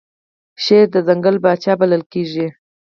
شیر د ځنګل پاچا بلل کیږي